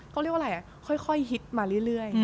เขาเรียกว่าอะไรค่อยฮิตมาเรื่อย